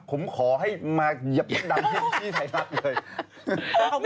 ผมขอให้ยิบมดดำที่ไทยทักเลย